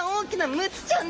ムツちゃん。